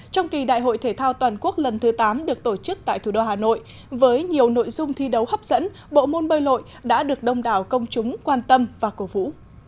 trong kỳ đại hội thể thao toàn quốc lần thứ tám được tổ chức tại thủ đô hà nội với nhiều nội dung thi đấu hấp dẫn bộ môn bơi lội đã được đông đảo công chúng quan tâm và cổ vũ